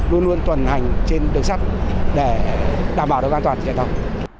luôn luôn tuần hành trên đường sắt để đảm bảo được an toàn chạy tàu